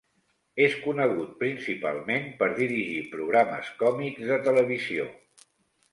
És conegut principalment per dirigir programes còmics de televisió.